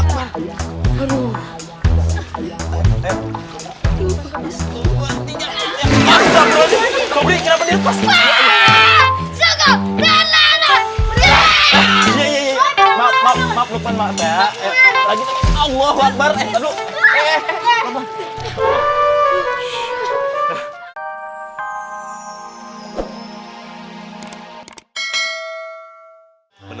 maksud rekan rekan maaf lupa maksa allah takbar